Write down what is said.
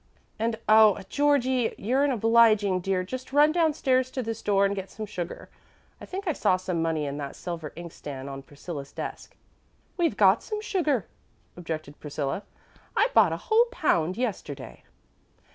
And oh, Georgie, you're an obliging dear; just run down stairs to the store and get some sugar. I think I saw some money in that silver inkstand on Priscilla's desk." "We've got some sugar," objected Priscilla. "I bought a whole pound yesterday."